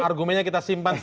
argumennya kita simpan